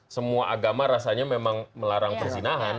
semua agama rasanya memang melarang perzinahan